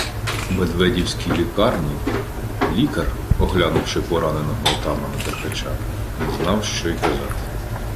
У медведівській лікарні лікар, оглянувши пораненого отамана Деркача, не знав, що й казати.